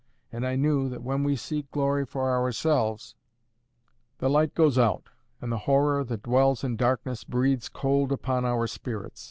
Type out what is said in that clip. And I knew that when we seek glory for ourselves, the light goes out, and the Horror that dwells in darkness breathes cold upon our spirits.